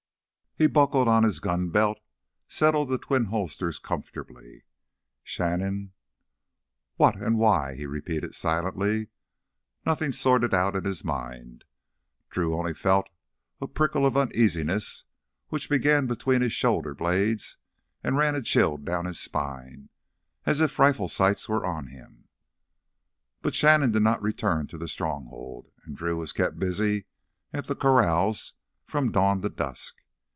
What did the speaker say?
He buckled on his gun belt, settled the twin holsters comfortably. Shannon—what and why, he repeated silently. Nothing sorted out in his mind. Drew only felt a prickle of uneasiness which began between his shoulder blades and ran a chill down his spine, as if rifle sights were on him. But Shannon did not return to the Stronghold, and Drew was kept busy at the corrals from dawn to dusk.